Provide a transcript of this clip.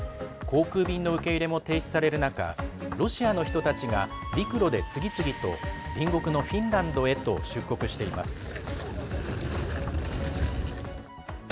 航空便の受け入れも停止される中ロシアの人たちが陸路で次々と、隣国のフィンランドへと出国しています。